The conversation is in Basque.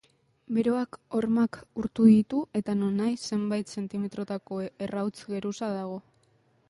Beroak ormak urtu ditu, eta nonahi zenbait zentimetrotako errauts geruza dago.